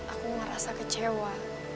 aku merasa kecewa